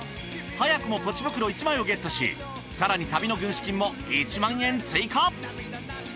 早くもポチ袋１枚をゲットし更に旅の軍資金も１万円追加！